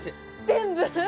全部？